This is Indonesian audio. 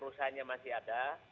perusahaannya masih ada